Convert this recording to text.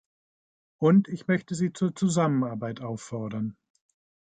Und ich möchte sie zur Zusammenarbeit auffordern.